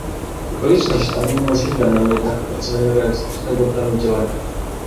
Okoliczność ta nie uniemożliwia nam jednak opracowania realistycznego planu działania